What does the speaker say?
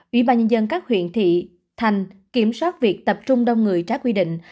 ủy ban nhân dân các huyện thị thành kiểm soát việc tập trung đông người trái quy định